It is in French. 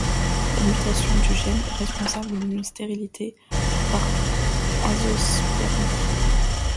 La mutation du gène est responsable d'une stérilité par azoospermie.